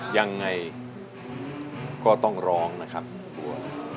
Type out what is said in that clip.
ยังไงก็ต้องร้องนะครับคุณบัว